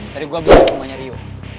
tadi gue bilang ke rumahnya rio